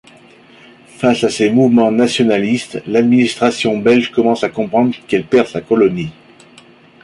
Face à ces mouvements nationalistes, l'administration belge commence à comprendre qu'elle perd sa colonie.